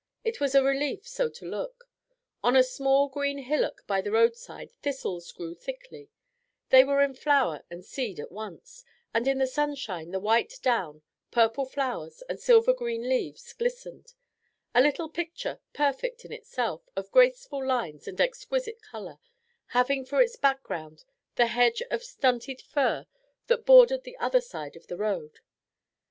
It was a relief so to look. On a small green hillock by the roadside thistles grew thickly; they were in flower and seed at once, and in the sunshine the white down, purple flowers, and silver green leaves glistened a little picture, perfect in itself, of graceful lines and exquisite colour, having for its background the hedge of stunted fir that bordered the other side of the road.